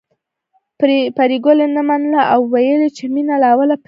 پري ګلې نه منله او ويل يې چې مينه له اوله پيريانۍ وه